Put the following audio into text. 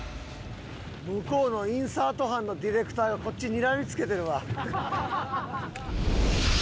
向こうのインサート班のディレクターがこっちにらみつけてるわ。